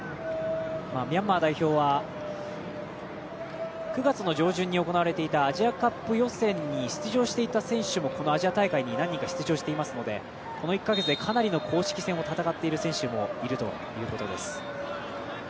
ミャンマー代表は９月の上旬に行われていたアジアカップ予選に出場していた選手もこのアジア大会に何人か出場していますのでこの１か月で、かなりの公式戦を戦っている選手もいるということです。